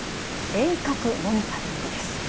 遠隔モニタリングです。